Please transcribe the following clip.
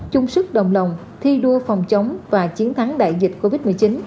chung sức đồng lòng thi đua phòng chống và chiến thắng đại dịch covid một mươi chín